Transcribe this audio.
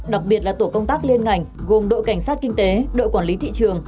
đặc biệt là tổ công tác liên ngành gồm đội cảnh sát kinh tế đội quản lý thị trường